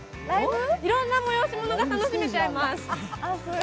いろんな催し物が楽しめちゃいます。